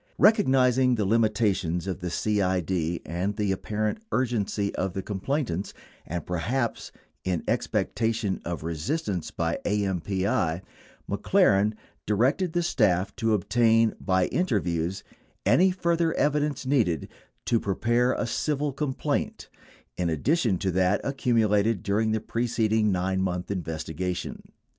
Recognizing the limi tations of the CID and the apparent urgency of the complainants — and perhaps in expectation of resistance by AMPI — McLaren di rected the staff to obtain by interviews any further evidence needed to prepare a civil complaint, in addition to that accumulated during the preceding 9 month investigation.